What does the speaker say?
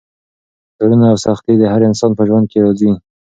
فشارونه او سختۍ د هر انسان په ژوند کې راځي.